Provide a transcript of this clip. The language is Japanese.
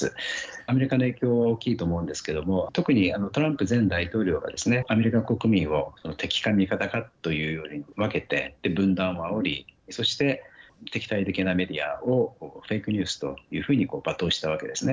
アメリカの影響は大きいと思うんですけれども特にトランプ前大統領がですねアメリカ国民を敵か味方かというように分けて分断をあおりそして敵対的なメディアをフェイクニュースというふうに罵倒したわけですね。